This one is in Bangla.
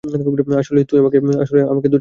আসলে, আমাকে দুইটা দিন।